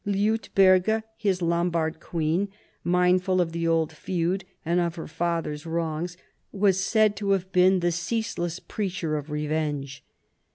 Liutberga, his Lombard queen, mindful of the old feud and of her father's wrongs, was said to have been the ceaseless preacher of revenge.